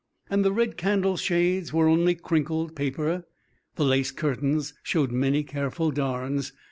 And the red candleshades were only crinkled paper; the lace curtains showed many careful darns.